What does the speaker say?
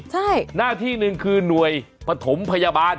ใช่หน้าที่หนึ่งคือหน่วยปฐมพยาบาล